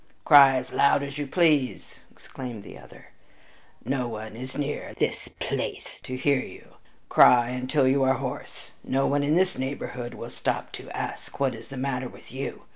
"Cry as loud as you please!" exclaimed the other. "No one is near this place to hear you! Cry until you are hoarse; no one in this neighborhood will stop to ask what is the matter with you.